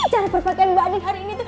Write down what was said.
cara berpakaian mbak adin hari ini